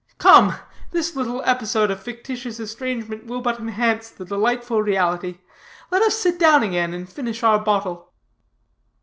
Come, this little episode of fictitious estrangement will but enhance the delightful reality. Let us sit down again, and finish our bottle."